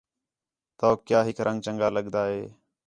تَؤک کیا ہِک رنگ چَنڳا لڳدا ہے؟